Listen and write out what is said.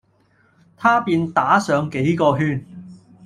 他便打上幾個圈；